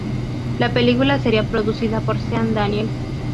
La película sería producida por Sean Daniel.